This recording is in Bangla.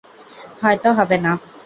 হয়ত হবে না।